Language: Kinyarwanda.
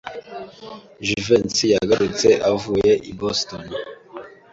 Jivency yagarutse avuye i Boston.